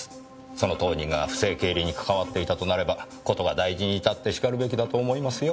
その当人が不正経理に関わっていたとなれば事が大事に至ってしかるべきだと思いますよ。